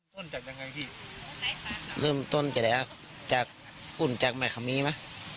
ต้นจากยังไงพี่เริ่มต้นจะได้อ่ะจากกุ่นจากมะคามีมะ